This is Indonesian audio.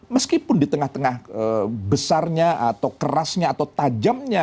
meskipun di tengah tengah besarnya atau kerasnya atau tajamnya